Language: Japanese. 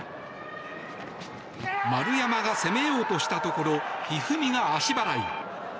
丸山が攻めようとしたところ一二三が足払い。